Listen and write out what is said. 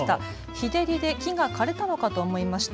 日照りで木が枯れたのかと思いました。